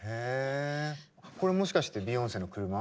これもしかしてビヨンセの車？